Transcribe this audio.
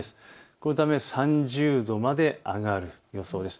このため３０度まで上がる予想です。